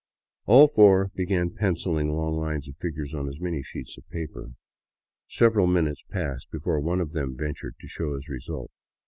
All four began pencilling long lines of figures on as many sheets of paper. Several minutes passed before one of them ventured to show his result.